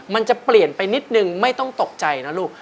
มันจะเปลี่ยนไปนิดนึงไม่ต้องตกใจนะลูก